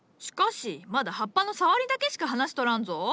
しかしまだ葉っぱのさわりだけしか話しとらんぞ。